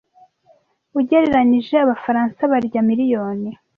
Ugereranije, Abafaransa barya miliyoni